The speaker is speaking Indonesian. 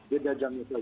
beda jam itu